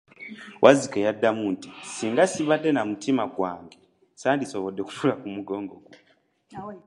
Wazzike yaddamu nti, singa sibadde na mutima gwange ssandisobodde kutuula ku mugongo gwo.